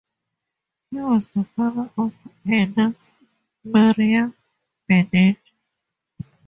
He was the father of Anna Maria Bernini.